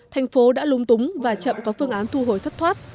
thành phố đã lúng túng và chậm có phương án thu hồi thất thoát